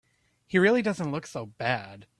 He really doesn't look so bad.